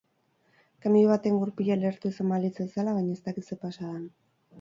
Kamioi baten gurpile lehertu izan balitz bezela, baino eztakit ze pasa dan.